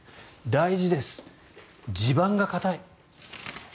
大事です、地盤が固い。